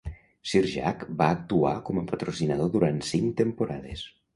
Sir Jack va actuar com a patrocinador durant cinc temporades.